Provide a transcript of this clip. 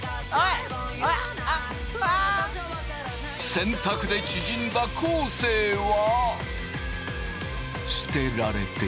洗濯で縮んだ昴生は。